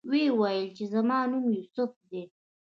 ویې ویل چې زما نوم یوسف دی.